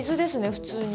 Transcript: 普通に。